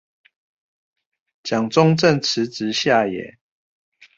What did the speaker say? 蔣中正辭職下野